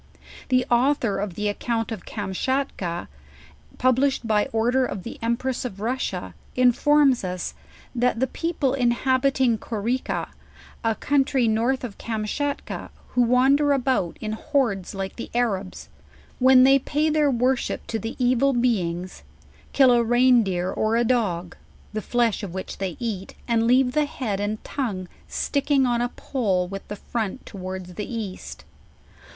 The author of the ac count of Kamschatka, published by order of the empress of Russia: informs us, that the people inhabiting Koreka, a country north of Karnschatka, who wander about in horde like the Arabs, when they pay their worship to the evil be ings; kill a rein deer or a dog, the flesh of which they eat, and leave the he id and tongue sticking on a pole with the front towards the east.